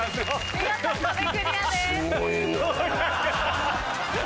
見事壁クリアです。